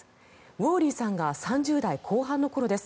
ウォーリーさんが３０代後半の頃です。